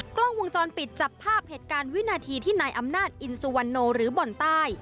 กล้องวงจรปิดจับภาพเหตุการณ์วินาทีที่นายอำนาจอินสุวรรณโนหรือบ่อนใต้